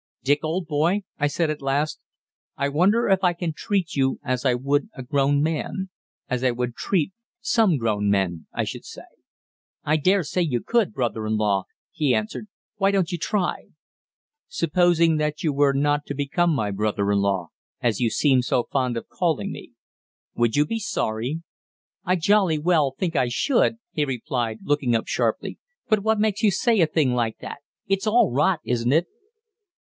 "Dick, old boy," I said, at last, "I wonder if I can treat you as I would a grown man as I would treat some grown men, I should say." "I dare say you could, brother in law," he answered. "Why don't you try?" "Supposing that you were not to become my brother in law, as you seem so fond of calling me, would you be sorry?" "I jolly well think I should!" he replied, looking up sharply. "But what makes you say a thing like that? It's all rot, isn't it?"